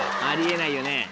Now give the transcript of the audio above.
あり得ないよね。